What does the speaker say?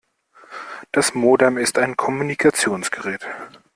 Das Modem ist ein Kommunikationsgerät.